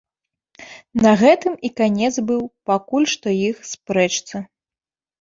На гэтым і канец быў пакуль што іх спрэчцы.